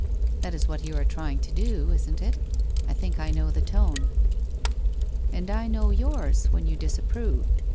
That is what you are trying to do, isn't it? I think I know the tone '' And I know yours, when you disapprove.